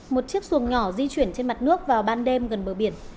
một chiếc xuồng nhỏ di chuyển trên mặt nước vào ban đêm gần bờ biển